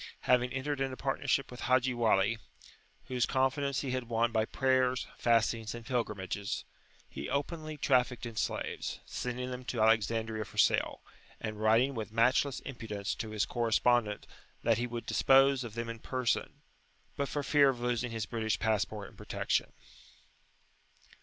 Having entered into partnership with Haji Wali, whose confidence he had won by prayers, fastings, and pilgrimages, he openly trafficked in slaves, sending them to Alexandria for sale, and writing with matchless impudence to his correspondent that he would dispose of them in person, but for fear of losing his British passport and protection.